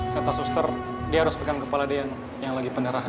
kata suster dia harus pegang kepala dia yang lagi pendarahan